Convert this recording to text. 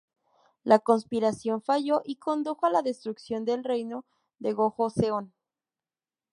La conspiración falló y condujo a la destrucción del reino de Gojoseon.